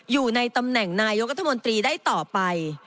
อยู่ในตำแหน่งนายกรัฐมนตรีได้ต่อไป